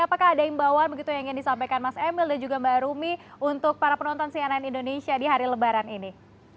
apakah ada imbauan begitu yang ingin disampaikan mas emil dan juga mbak rumi untuk para penonton cnn indonesia di hari lebaran ini